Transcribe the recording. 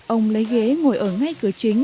ông lấy ghế ngồi ở ngay cửa chính